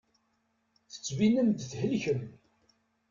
Tettbinem-d thelkem.